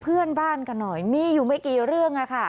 เพื่อนบ้านกันหน่อยมีอยู่ไม่กี่เรื่องค่ะ